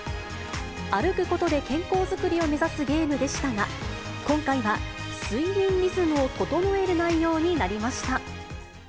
歩くことで健康作りを目指すゲームでしたが、今回は、睡眠リズムを整える内容になりました。